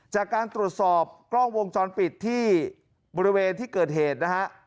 จากการตรวจสอบกล้องวงจรปิดที่บริเวณที่เกิดเหตุนะฮะ